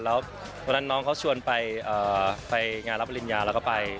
แล้ววันนั้นน้องเขาชวนไปงานรับปริญญาแล้วก็ไป